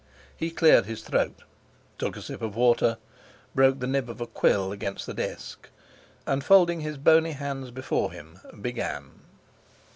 He cleared his throat, took a sip of water, broke the nib of a quill against the desk, and, folding his bony hands before him, began.